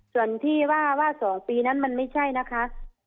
ส่วนที่ว่า๒ปีนั้นมันไม่ใช่นะคะ